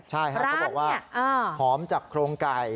ใช่ครับเขาบอกว่าหอมจากโครงไก่